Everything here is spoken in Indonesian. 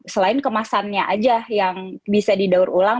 selain kemasannya aja yang bisa didaur ulang